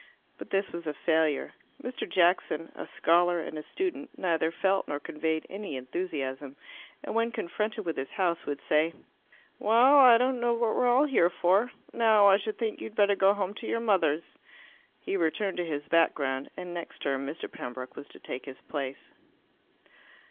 But this was a failure. Mr. Jackson, a scholar and a student, neither felt nor conveyed any enthusiasm, and when confronted with his House, would say, "Well, I don't know what we're all here for. Now I should think you'd better go home to your mothers." He returned to his background, and next term Mr. Pembroke was to take his place.